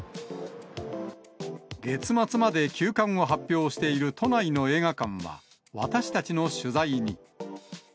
月末まで休館を発表している都内の映画館は、私たちの取材に。